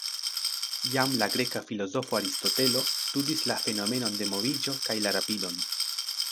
Jam la greka filozofo Aristotelo studis la fenomenon de moviĝo kaj la rapidon.